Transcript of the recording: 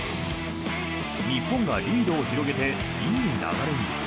日本がリードを広げていい流れに。